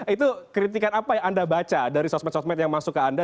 itu kritikan apa yang anda baca dari sosmed sosmed yang masuk ke anda